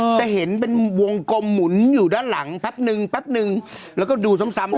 เออแต่เห็นเป็นวงกลมหมุนอยู่ด้านหลังแป๊บหนึ่งแป๊บหนึ่งแล้วก็ดูซ้ำซ้ำ